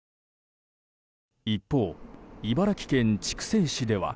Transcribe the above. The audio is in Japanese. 一方、茨城県筑西市では。